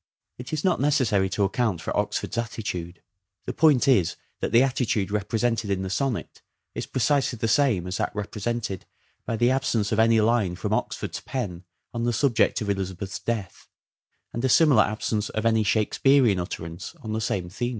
It is not necessary to account for Oxford's attitude : the point is that the attitude represented in the sonnet is precisely the same as that represented by the absence of any line from Oxford's pen on the subject of Elizabeth's death, and a similar absence of any Shakespearean utterance on the same theme.